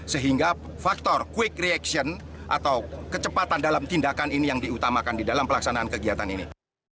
sehingga faktor quick reaction atau kecepatan dalam tindakan ini yang diutamakan di dalam pelaksanaan kegiatan ini